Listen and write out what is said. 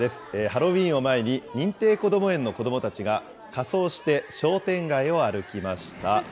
ハロウィーンを前に、認定こども園の子どもたちが、仮装して商店街を歩きました。